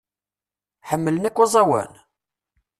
Ḥemmlen akk aẓawan?